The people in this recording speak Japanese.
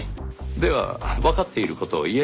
ではわかっている事を言える範囲で。